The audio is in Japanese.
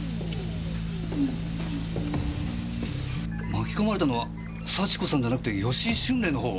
巻き込まれたのは幸子さんじゃなくて吉井春麗のほう？